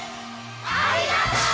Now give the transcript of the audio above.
ありがとう！